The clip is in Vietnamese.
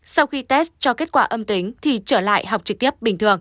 sau khi test cho kết quả âm tính thì trở lại học trực tiếp